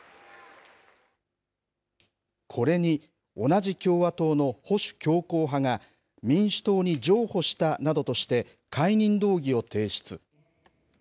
これに、同じ共和党の保守強硬派が、民主党に譲歩したなどとして、解任動議を提出。